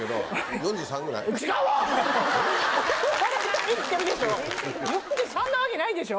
４３なわけないでしょ。